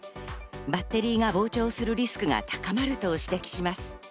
バッテリーが膨張するリスクが高まると指摘します。